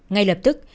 ngay lập tức